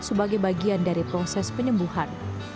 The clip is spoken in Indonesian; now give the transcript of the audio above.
sebagai bagian dari proses penyembuhan